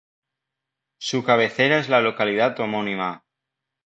Su cabecera es la localidad homónima.